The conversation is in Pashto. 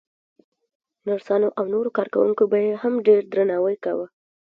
نرسانو او نورو کارکوونکو به يې هم ډېر درناوی کاوه.